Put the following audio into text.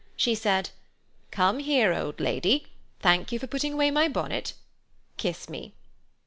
She said: "Come here, old lady—thank you for putting away my bonnet—kiss me."